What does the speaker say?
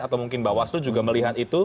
atau mungkin mbak waslu juga melihat itu